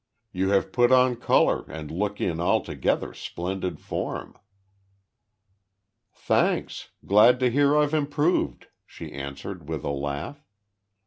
You have put on colour, and look in altogether splendid form." "Thanks. Glad to hear I've improved," she answered, with a laugh.